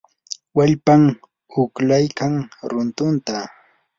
wallpam uqlaykan runtunta.